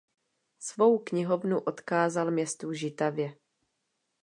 Svou knihovnu odkázal městu Žitavě.